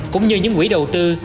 cũng như những quỹ đầu tư